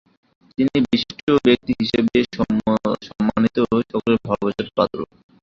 তিনি বিশিষ্ট ব্যক্তি হিসেবে সম্মানিত ও সকলের ভালোবাসার পাত্র।